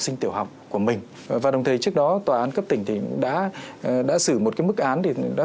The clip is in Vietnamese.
sinh tiểu học của mình và đồng thời trước đó tòa án cấp tỉnh thì đã xử một cái mức án thì đã